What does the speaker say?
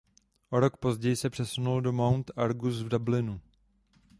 O rok později se přesunul do Mount Argus v Dublinu.